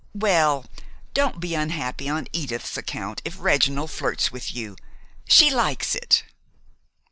Well, don't be unhappy on Edith's account if Reginald flirts with you. She likes it."